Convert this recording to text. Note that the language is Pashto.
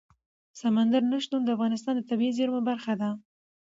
سمندر نه شتون د افغانستان د طبیعي زیرمو برخه ده.